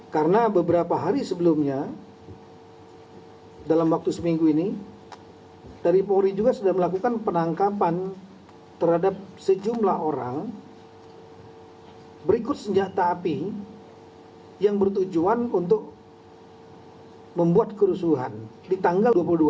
karena beberapa hari sebelumnya dalam waktu seminggu ini taripuri juga sedang melakukan penangkapan terhadap sejumlah orang berikut senjata api yang bertujuan untuk membuat kerusuhan di tanggal dua puluh dua